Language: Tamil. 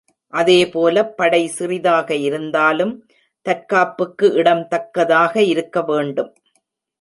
அதே போலப் படை சிறிதாக இருந்தாலும் தற்காப்புக்கு இடம் தக்கதாக இருக்க வேண்டும்.